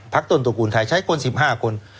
ต้นตระกูลไทยใช้คน๑๕คน